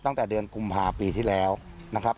ตั้งแต่เดือนกุมภาปีที่แล้วนะครับ